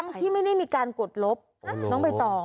ทั้งที่ไม่ได้มีการกดลบต้องไปต่อ